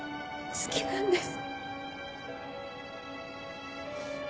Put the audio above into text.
好きなんです！